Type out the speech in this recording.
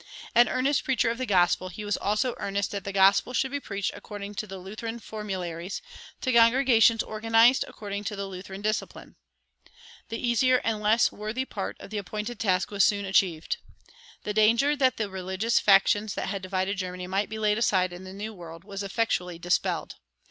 An earnest preacher of the gospel, he was also earnest that the gospel should be preached according to the Lutheran formularies, to congregations organized according to the Lutheran discipline. The easier and less worthy part of the appointed task was soon achieved. The danger that the religious factions that had divided Germany might be laid aside in the New World was effectually dispelled.